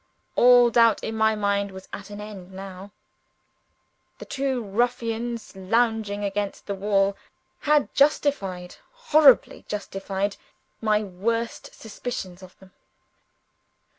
All doubt in my mind was at an end now. The two ruffians lounging against the wall had justified, horribly justified, my worst suspicions of them.